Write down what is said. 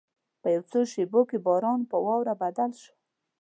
په یو څو شېبو کې باران په واوره بدل شو.